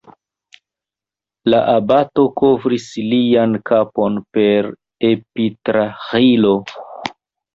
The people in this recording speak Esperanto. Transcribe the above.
La abato kovris lian kapon per epitraĥilo.